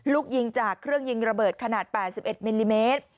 ลูกยิงจากเครื่องยิงระเบิดขนาด๘๑มิลลิเมตร